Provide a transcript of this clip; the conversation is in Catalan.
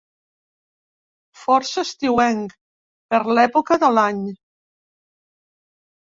Força estiuenc, per l'època de l'any.